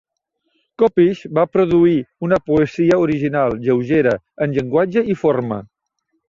Kopisch va produir una poesia original, lleugera en llenguatge i forma.